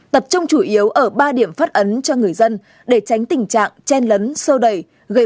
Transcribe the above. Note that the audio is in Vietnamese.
tập trung chủ yếu ở ba điểm phát ấn cho người dân để tránh tình trạng chen lấn sâu đầy